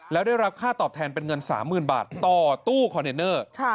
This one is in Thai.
แล้วได้รับค่าตอบแทนเป็นเงิน๓๐๐๐บาทต่อตู้คอนเทนเนอร์